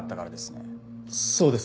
そうです。